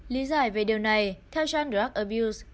lý giải về điều này theo john drackabuse